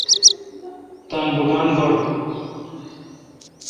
تان بوٹان گوڑ۔